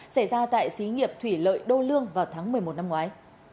xảy ra tại xí nghiệp thủy lợi đô lương vào tháng một mươi một năm ngoái